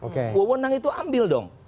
kewenang itu ambil dong